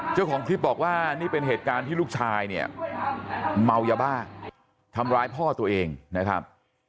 เจ้าของคลิปบอกว่านี่เป็นเหตุการณ์ที่ลูกชายเนี่ยเมายาบ้าทำร้ายพ่อตัวเองนะครับ